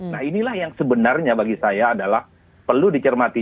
nah inilah yang sebenarnya bagi saya adalah perlu dicermati